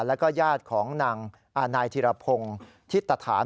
แล้วก็ญาติของนางนายธิรพงศ์ทิศตฐาน